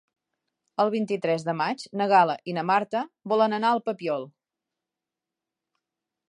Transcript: El vint-i-tres de maig na Gal·la i na Marta volen anar al Papiol.